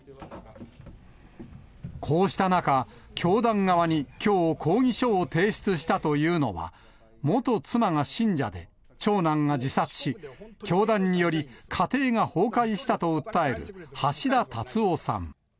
こうした中、教団側にきょう、抗議書を提出したというのは、元妻が信者で、長男が自殺し、教団により、家庭が崩壊したと訴える橋田達夫さん。